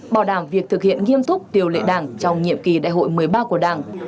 bảo đảm việc thực hiện nghiêm túc điều lệ đảng trong nhiệm kỳ đại hội một mươi ba của đảng